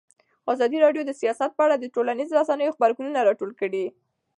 ازادي راډیو د سیاست په اړه د ټولنیزو رسنیو غبرګونونه راټول کړي.